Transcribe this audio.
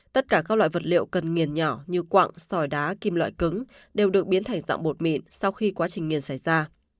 tất cả các loại vật liệu cần miền nhỏ như quặng sòi đá kim loại cứng đều được biến thành dạng bột mìn sau khi quá trình nghiền xảy ra